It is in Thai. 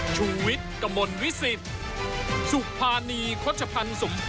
ชุวิตตีแสดหน้า